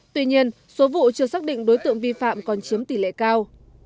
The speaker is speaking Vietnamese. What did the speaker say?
tuy nhiên số vụ chưa xác định đối tượng vi phạm còn chiếm tỷ lệ cao